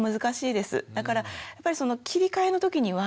だからやっぱり切り替えの時には家族ですよね。